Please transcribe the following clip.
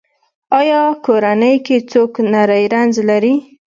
ایا کورنۍ کې څوک نری رنځ لري؟